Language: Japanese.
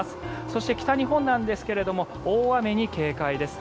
そして北日本なんですが大雨に警戒です。